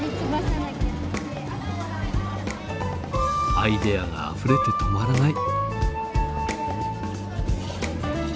アイデアがあふれて止まらない。